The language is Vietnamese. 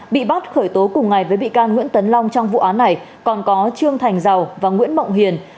bị bắt khởi tố cùng ngày với bị can nguyễn tấn long trong vụ án này còn có trương thành giàu và nguyễn mộng hiền